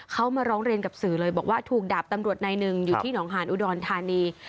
เขามาร้องเรียนกับสื่อเลยบอกว่าถูกดาบตำรวจนายหนึ่งอยู่ที่หนองหาญอุดรธานี